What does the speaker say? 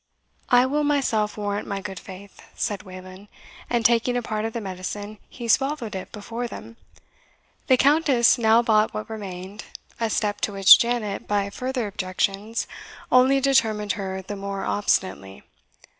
"I will myself warrant my good faith," said Wayland; and taking a part of the medicine, he swallowed it before them. The Countess now bought what remained, a step to which Janet, by further objections, only determined her the more obstinately.